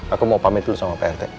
aku mau pamit dulu sama pak rt